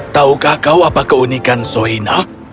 taukah kau apa keunikan soina